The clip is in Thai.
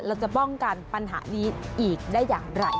เราจะป้องกันปัญหานี้อีกได้อย่างไร